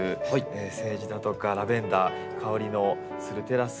セージだとかラベンダー香りのするテラス。